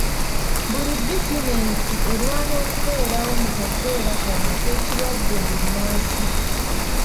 Buli bizinensi erwana okubeerawo mu kaseera kano ak'ekirwadde bbunansi.